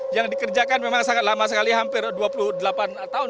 yang dikerjakan memang sangat lama sekali hampir dua puluh delapan tahun